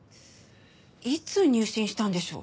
いつ入信したんでしょう？